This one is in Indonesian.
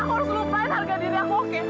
aku harus lupain harga diri aku oke